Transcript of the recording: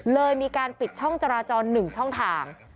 เลยมีการปิดช่องจราจร๑ช่องทาง